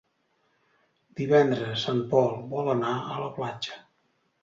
Divendres en Pol vol anar a la platja.